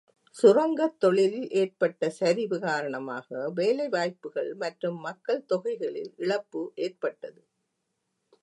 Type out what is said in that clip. சுரங்கத் தொழிலில் ஏற்பட்ட சரிவு காரணமாக வேலைவாய்ப்புகள் மற்றும் மக்கள் தொகையில் இழப்பு ஏற்பட்டது.